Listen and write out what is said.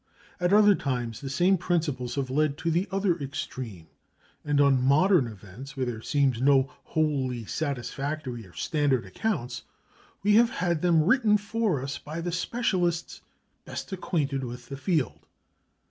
At other times the same principles have led to the other extreme, and on modern events, where there seemed no wholly satisfactory or standard accounts, we have had them written for us by the specialists best acquainted with the field.